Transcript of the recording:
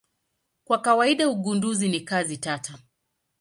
Kwa kawaida ugunduzi ni kazi tata.